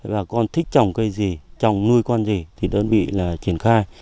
bà con thích trồng cây gì trồng nuôi con gì thì đơn vị là triển khai